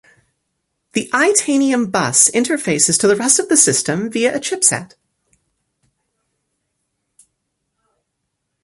The Itanium bus interfaces to the rest of the system via a chipset.